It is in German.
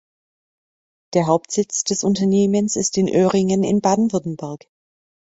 Der Hauptsitz des Unternehmens ist in Öhringen in Baden-Württemberg.